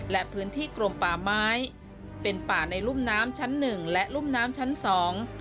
และพื้นที่กรมป่าไม้เป็นป่าในรุ่มน้ำชั้นหนึ่งและรุ่มน้ำชั้นสอง